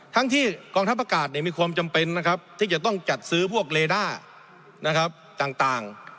ทั้งที่กองทัพอากาศมีความจำเป็นนะครับที่จะต้องจัดซื้อพวกเลด้าต่าง